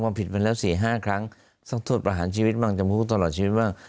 ผิดไปแล้ว๔๕ครั้งต้องโทษประหารชีวิตบ้างจำคุกตลอดชีวิตบ้าง